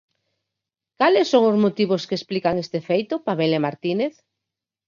Cales son os motivos que explican este feito, Pamela Martínez?